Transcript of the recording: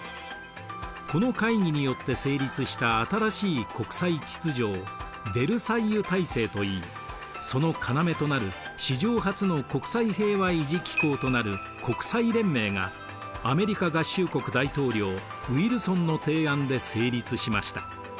この会議によって成立した新しい国際秩序をヴェルサイユ体制といいその要となる史上初の国際平和維持機構となる国際連盟がアメリカ合衆国大統領ウィルソンの提案で成立しました。